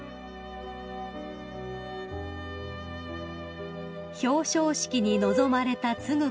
［表彰式に臨まれた承子さま］